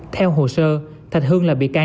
theo hồ sơ thạch hương là bị can